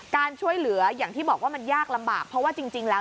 การช่วยเหลืออย่างที่บอกว่ามันยากลำบากเพราะว่าจริงแล้ว